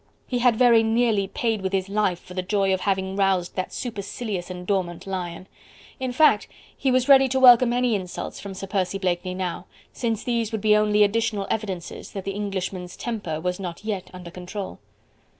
He had very nearly paid with his life for the joy of having roused that supercilious and dormant lion. In fact he was ready to welcome any insults from Sir Percy Blakeney now, since these would be only additional evidences that the Englishman's temper was not yet under control.